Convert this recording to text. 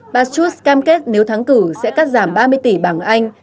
bà chus cam kết nếu thắng cử sẽ cắt giảm ba mươi tỷ bảng anh